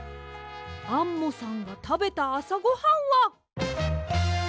アンモさんがたべたあさごはんは。